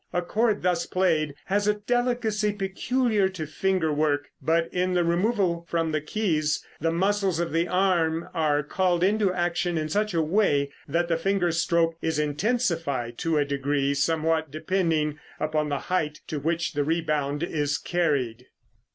A chord thus played has the delicacy peculiar to finger work, but in the removal from the keys the muscles of the arm are called into action in such a way that the finger stroke is intensified to a degree somewhat depending upon the height to which the rebound is carried.